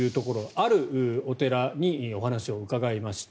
あるお寺にお話を伺いました。